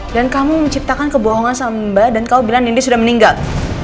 dan kamu menciptakan kebohongan sama mbak dan kamu bilang nindy sudah meninggal